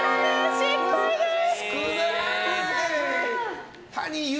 失敗です！